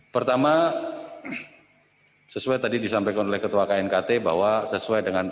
pertama sesuai tadi disampaikan oleh ketua knkt bahwa sesuai dengan